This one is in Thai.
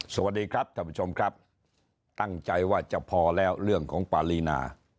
สวัสดีครับท่านผู้ชมครับตั้งใจว่าจะพอแล้วเรื่องของปารีนา